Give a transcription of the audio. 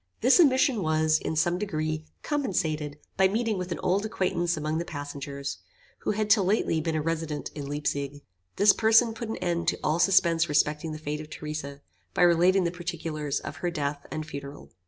This omission was, in some degree, compensated by meeting with an old acquaintance among the passengers, who had till lately been a resident in Leipsig. This person put an end to all suspense respecting the fate of Theresa, by relating the particulars of her death and funeral.